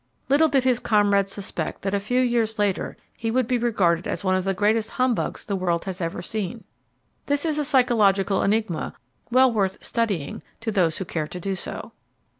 Little did his comrades suspect that a few years later he would be regarded as one of the greatest humbugs the world has ever seen. This is a psychological enigma well worth studying to those who care to do so.